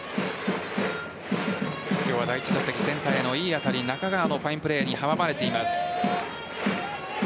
今日は第１打席センターへのいい当たり中川のファインプレーに阻まれています。